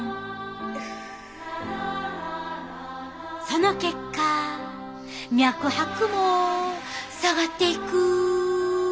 その結果脈拍も下がっていく。